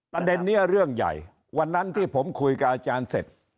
ประเด็นนี้เรื่องใหญ่วันนั้นที่ผมคุยกับอาจารย์เสร็จ